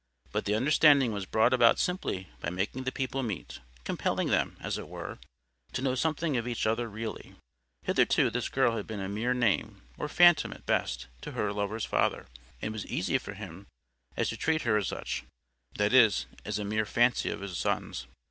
—But the understanding was brought about simply by making the people meet—compelling them, as it were, to know something of each other really. Hitherto this girl had been a mere name, or phantom at best, to her lover's father; and it was easy for him to treat her as such, that is, as a mere fancy of his son's.